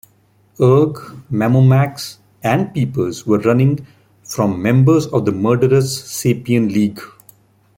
Erg, Mammomax, and Peepers were running from members of the murderous Sapien League.